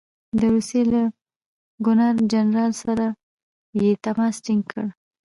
د روسیې له ګورنر جنرال سره یې تماس ټینګ کړ.